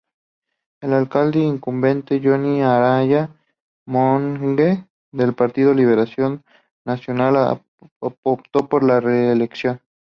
El alcalde incumbente Johnny Araya Monge del Partido Liberación Nacional optó por la reelección.